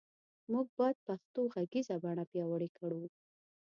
مونږ باد پښتو غږیزه بڼه پیاوړی کړو